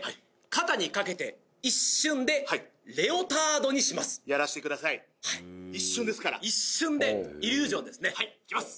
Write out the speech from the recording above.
肩に掛けて一瞬でレオタードにしますやらせてください一瞬ですから一瞬でイリュージョンですねはいいきます